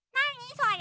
それ。